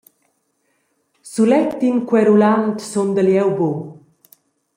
Sulet in querulant sundel jeu buc.